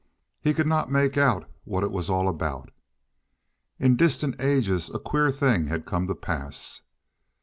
He could not make out what it was all about. In distant ages a queer thing had come to pass.